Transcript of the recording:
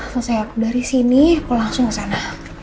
selesai aku dari sini aku langsung kesana